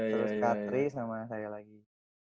terus kak tri sama saya lagi